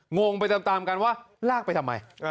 งงไปตามกันว่าลากไปทำไม